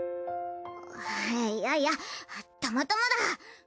あいやいやたまたまだ！